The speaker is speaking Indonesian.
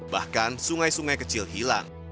bahkan sungai sungai kecil hilang